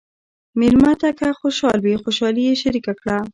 مېلمه ته که خوشحال وي، خوشالي یې شریکه کړه.